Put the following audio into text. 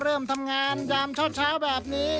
เริ่มทำงานยามเช้าแบบนี้